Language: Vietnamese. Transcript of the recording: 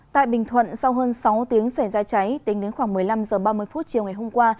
tại bình thuận sau hơn sáu tiếng xảy ra cháy tính đến khoảng một mươi năm h ba mươi chiều ngày hôm qua